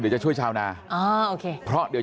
เดี๋ยวหนาแล้วยังไงต่อ